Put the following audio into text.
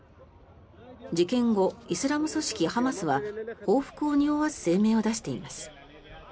事件後、イスラム組織ハマスは報復をにおわす声明を出しています。